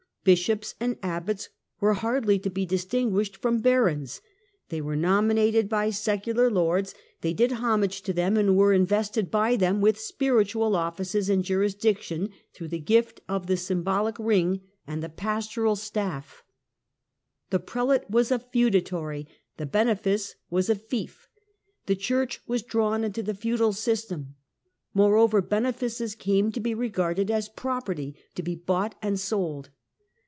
Bishops and abbots were hardly to be distinguished from barons. They were nominated by secular lords, did CLUNY AND MOVEMENTS OF REFORM 55 homage to tliem, aud were invested by them with spiritual offices and jurisdiction, through the gift of the symbolic ring and pastoral sbaff. The prelate was a feudatory, the benefice was a fief. The Church was drawn into the feudal system. Moreover, benefices came to be regarded as property, to be bought and sold.